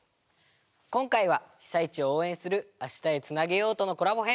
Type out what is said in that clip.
今回は被災地を応援する「明日へつなげよう」とのコラボ編！